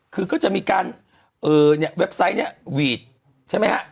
คือก็จะมีการเนี่ยเว็บไซต์เนี่ยหวีดใช่ไหมฮะ